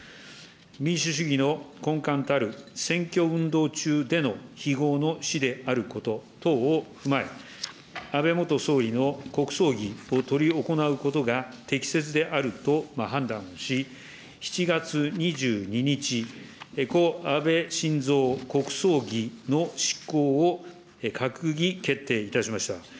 民主主義の根幹たる選挙運動中での非業の死であること等を踏まえ、安倍元総理の国葬儀を執り行うことが適切であると判断し、７月２２日、故・安倍晋三国葬儀の執行を閣議決定いたしました。